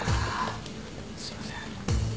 すいません。